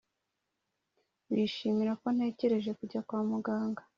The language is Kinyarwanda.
bishimira ko ntekereje kujya kwa muganga.